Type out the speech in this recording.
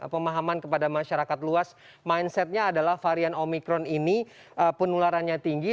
pemahaman kepada masyarakat luas mindsetnya adalah varian omikron ini penularannya tinggi